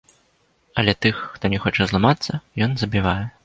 Але тых, хто не хоча зламацца, ён забівае.